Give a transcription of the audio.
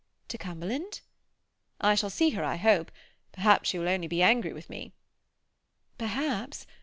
"To Cumberland?" "I shall see her, I hope. Perhaps she will only be angry with me." "Perhaps.